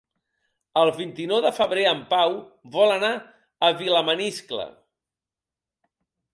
El vint-i-nou de febrer en Pau vol anar a Vilamaniscle.